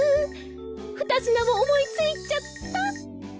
ふたしなもおもいついちゃった！